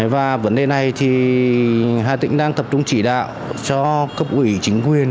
và vấn đề này thì hà tĩnh đang tập trung chỉ đạo cho cấp ủy chính quyền